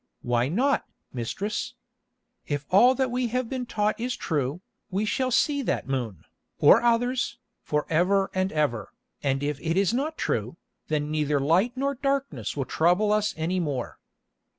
"Why not, mistress? If all that we have been taught is true, we shall see that moon, or others, for ever and ever, and if it is not true, then neither light nor darkness will trouble us any more.